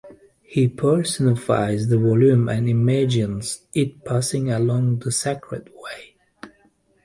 He personifies the volume and imagines it passing along the Sacred Way.